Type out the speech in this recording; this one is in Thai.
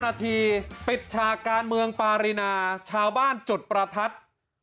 นาทีปิดฉากการเมืองปารีนาชาวบ้านจุดประทัด